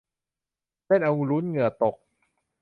เล่นเอาลุ้นเหงื่อตก